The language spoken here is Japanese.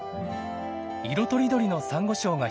色とりどりのサンゴ礁が広がり